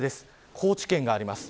高知県があります。